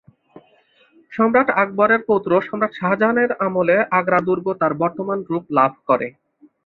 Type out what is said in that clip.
সম্রাট আকবরের পৌত্র সম্রাট শাহজাহানের আমলে আগ্রা দুর্গ তার বর্তমান রূপ লাভ করে।